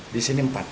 di sini empat